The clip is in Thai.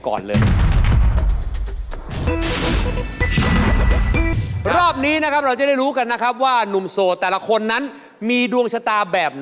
ชอบอะไรแบบสีดแบบ